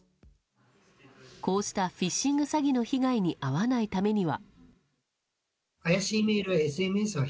こうしたフィッシング詐欺の被害に遭わないためには。